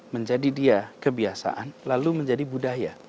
menjadi dia kebiasaan lalu menjadi budaya